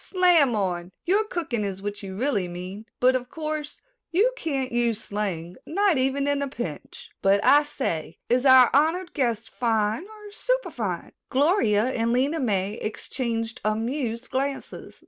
"Slam on, your cooking is what you really mean, but of course you can't use slang, not even in a pinch. But, I say, is our honored guest fine or superfine?" Gloria and Lena May exchanged amused glances.